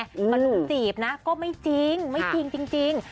ประดูกจีบนะก็ไม่จริงไม่จริงจริง